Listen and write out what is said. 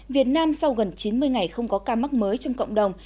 việt nam sau gần chín mươi ngày không có ca mắc mới trong cộng đồng